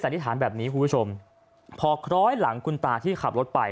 นิษฐานแบบนี้คุณผู้ชมพอคล้อยหลังคุณตาที่ขับรถไป